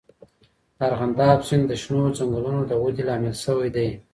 د ارغنداب سیند د شنو ځنګلونو د ودې لامل سوی دی.